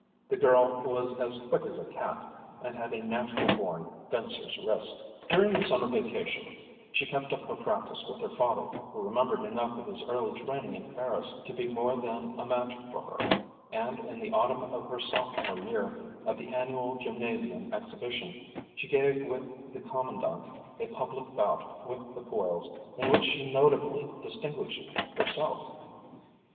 The girl was as quick as a cat, and had a natural born fencer's wrist. During the summer vacation she kept up her practice with her father, who remembered enough of his early training in Paris to be more than a match for her, and in the autumn of her Sophomore year, at the annual Gymnasium exhibition, she gave with the Commandant a public bout with the foils in which she notably distinguished herself.